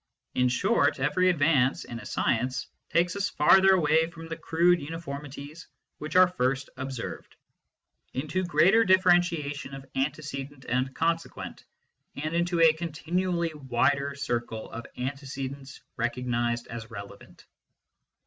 In short, every advance in a science takes us farther away from the crude uniformities which are first observed, into greater differentiation of antecedent and consequent, and into a continually wider circle of antecedents recog nised as relevant.